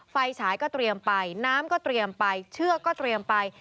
ไฟฉายก็เตรียมไปน้ำก็เตรียมไปเชือกก็เตรียมไป